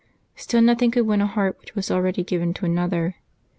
Still nothing could win a heart which was al ready given to another.